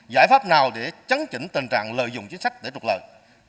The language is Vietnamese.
giải pháp nào để chấn chỉnh tình trạng lợi dụng chính sách để trục lợi